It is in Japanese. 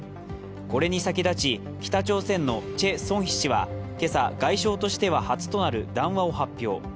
これに先立ち、北朝鮮のチェ・ソンヒ氏はけさ、外相としては初となる談話を発表。